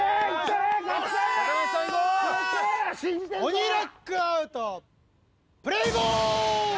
鬼ラックアウト、プレーボール！